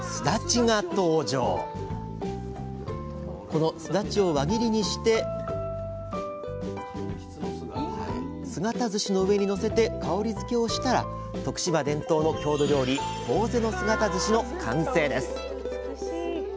このすだちを輪切りにして姿ずしの上にのせて香りづけをしたら徳島伝統の郷土料理「ぼうぜの姿ずし」の完成です！